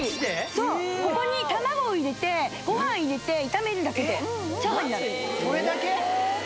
そうここに卵を入れてご飯入れて炒めるだけでチャーハンになるそれだけ？